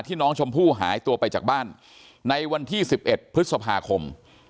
น้องชมพู่หายตัวไปจากบ้านในวันที่๑๑พฤษภาคม